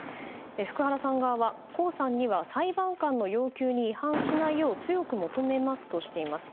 福原さん側は江さんには裁判官の要求に違反しないよう強く求めますとしています。